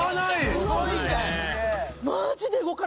すごいな！